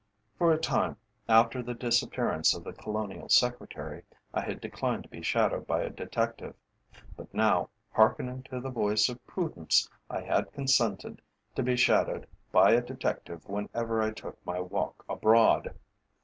For a time after the disappearance of the Colonial Secretary, I had declined to be shadowed by a detective, but now, hearkening to the voice of Prudence, I had consented to be shadowed by a detective whenever I took my walk abroad.